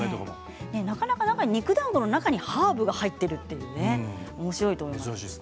なかなか肉だんごの中にハーブが入ってるというのもおもしろいと思います。